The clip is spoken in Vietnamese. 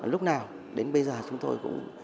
lúc nào đến bây giờ chúng tôi cũng